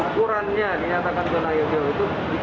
ukurannya dinyatakan zona hijau itu